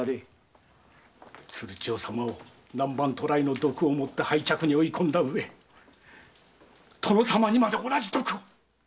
鶴千代様を南蛮渡来の毒を盛って廃嫡に追い込んだうえ殿様にまで同じ毒を！